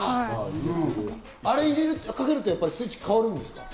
あれをかけるとスイッチ変わるんですか？